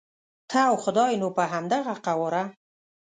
ته او خدای نو په همدغه قواره.